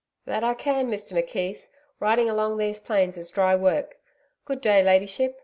'That I can, Mr McKeith. Riding along these plains is dry work. Good day, Ladyship.